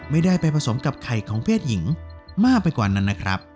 ไม่ได้ไปผสมกับไข่ของเพศหญิงมากไปกว่านั้นนะครับ